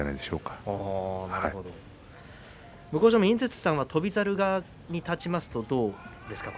向正面井筒さんは翔猿側から見ますとどうですか？